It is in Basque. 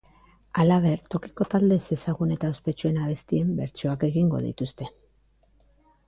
Halaber, tokiko talde ezezagun edo ospetsuen abestien bertsioak egingo dituzte.